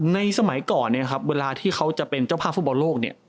สมัยก่อนเนี่ยครับเวลาที่เขาจะเป็นเจ้าภาพฟุตบอลโลกเนี่ย